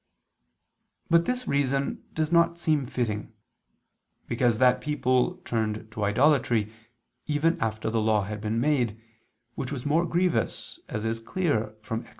But this reason does not seem fitting: because that people turned to idolatry, even after the Law had been made, which was more grievous, as is clear from Ex.